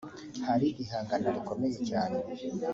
hari ihangana rikomeye cyane